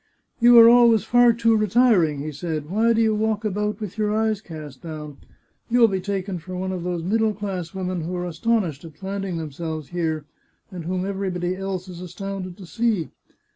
" You are always far too retiring," he said. " Why do you walk about with your eyes cast down ? You will be taken for one of these middle class women who are astonished at finding themselves here, and whom everybody else is astounded to see.